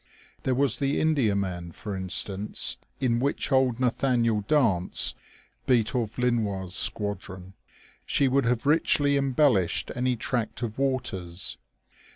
There was the Indiaman, for instance, in which old Nathaniel Dance beat off Linois' squadron : she would have richly embellished any tract of waters.